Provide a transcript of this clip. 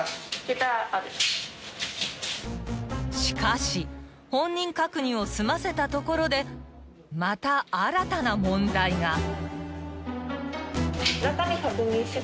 ［しかし本人確認を済ませたところでまた新たな問題が］